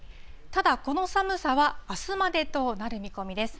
ただ、この寒さはあすまでとなる見込みです。